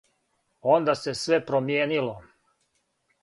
Онда се све промијенило.